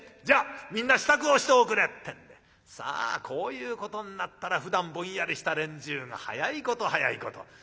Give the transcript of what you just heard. じゃあみんな支度をしておくれ」ってんでさあこういうことになったらふだんぼんやりした連中の速いこと速いこと。